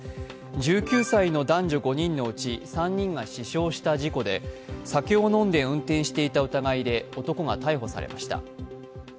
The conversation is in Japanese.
１９歳の男女５人のうち３人が死傷した事故で酒を飲んで運転していた疑いで男が逮捕されました。